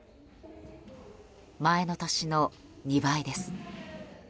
前の年の２倍です。